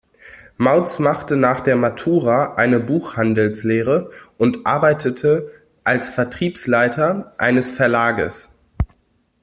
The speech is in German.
Mauz machte nach der Matura eine Buchhandelslehre und arbeitete als Vertriebsleiter eines Verlages.